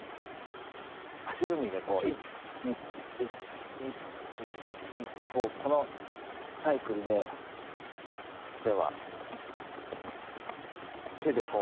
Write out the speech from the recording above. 足踏みでこう１・２・１・２・１・２ってこのサイクルで例えば手でこう。